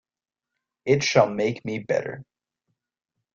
It shall make me better.